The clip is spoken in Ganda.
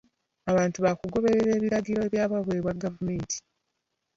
Abantu baakugoberera ebiragiro ebyabawebwa gavumenti.